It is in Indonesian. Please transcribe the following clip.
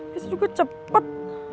biasanya juga cepet